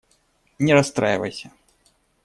Не расстраивайся.